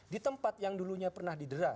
di tempat yang dulunya pernah didera